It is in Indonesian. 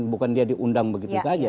bukan dia diundang begitu saja